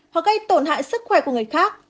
hoặc gây tổn hại sức khỏe của người khác